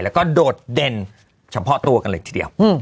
แล้วก็โดดเด่นเฉพาะตัวกันเลยทีเดียว